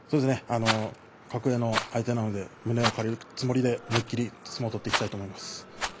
格上の相手なので胸を借りるつもりで思い切り相撲取ってみたいと思います。。